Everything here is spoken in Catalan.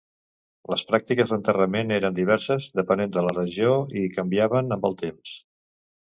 Les pràctiques d'enterrament eren diverses, depenent de la regió i canviaven amb el temps.